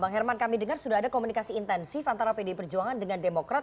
bang herman kami dengar sudah ada komunikasi intensif antara pdi perjuangan dengan demokrat